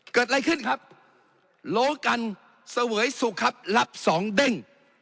เกิดอะไรขึ้นครับโลกันเสวยสุขครับรับสองเด้ง